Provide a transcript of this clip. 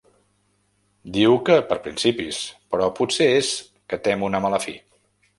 Diu que per principis, però potser és que tem una mala fi.